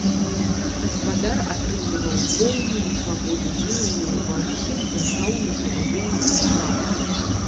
Гаспадар атрымліваў поўную свабоду дзеянняў ва ўсіх дзяржаўных і ваенных справах.